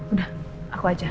udah aku aja